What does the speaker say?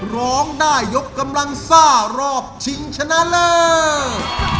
ร้องได้ยกกำลังซ่ารอบชิงชนะเลิศ